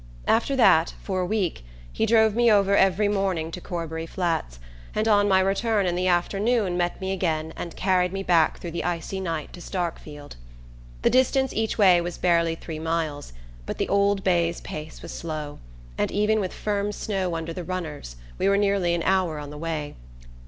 After that, for a week, he drove me over every morning to Corbury Flats, and on my return in the afternoon met me again and carried me back through the icy night to Starkfield. The distance each way was barely three miles, but the old bay's pace was slow, and even with firm snow under the runners we were nearly an hour on the way.